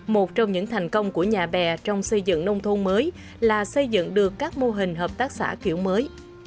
một trong những thành công của nhà bè trong xây dựng nông thôn mới là xây dựng được các mô hình hợp tác xã kiểu mới